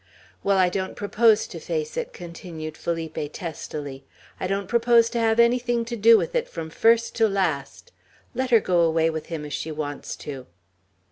"Well, I don't propose to face it," continued Felipe, testily. "I don't propose to have anything to do with it, from first to last. Let her go away with him, if she wants to.'